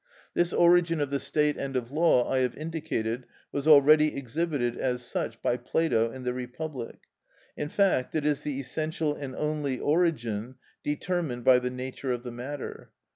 This origin of the state and of law I have indicated was already exhibited as such by Plato in the "Republic." In fact, it is the essential and only origin, determined by the nature of the matter.